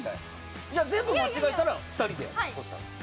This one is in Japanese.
全部間違えたら２人で。